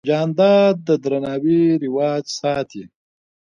جانداد د درناوي رواج ساتي.